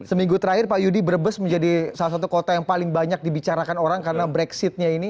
seminggu terakhir pak yudi brebes menjadi salah satu kota yang paling banyak dibicarakan orang karena brexitnya ini